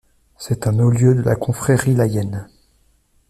C'est un haut-lieu de la confrérie layène.